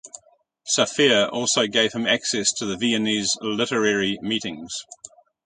Saphir also gave him access to the Viennese literary meetings.